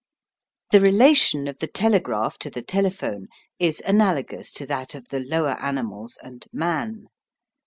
The relation of the telegraph to the telephone is analogous to that of the lower animals and man.